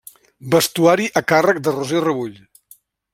Vestuari a càrrec de Roser Rebull.